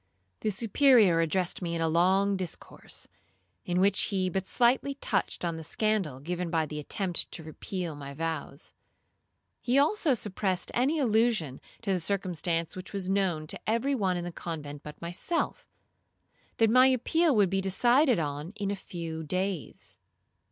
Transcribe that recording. The Superior addressed me in a long discourse, in which he but slightly touched on the scandal given by the attempt to repeal my vows. He also suppressed any allusion to the circumstance which was known to every one in the convent but myself, that my appeal would be decided on in a few days.